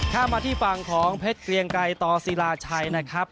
ข้ามมาที่ฝั่งของเพชรเกรียงไกรต่อศิลาชัยนะครับ